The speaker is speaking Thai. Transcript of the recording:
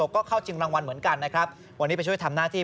ก็เข้าชิงรางวัลเหมือนกันนะครับวันนี้ไปช่วยทำหน้าที่